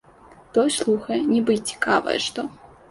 Той слухае, нібы й цікавае што.